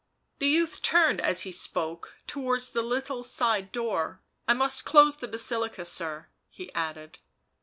The youth turned, as he spoke, towards the little side door. " I must close the Basilica, sir," he added.